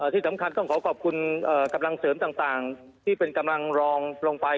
ที่สำคัญต้องขอขอบคุณกำลังเสริมต่างที่เป็นกำลังรองลงไป